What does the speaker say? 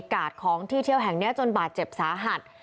กาดของที่เที่ยวแห่งนี้จนบาดเจ็บสาหัส